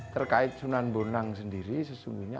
terkait sunan bonang sendiri sesungguhnya